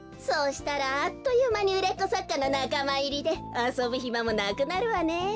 そうしたらあっというまにうれっこさっかのなかまいりであそぶひまもなくなるわね。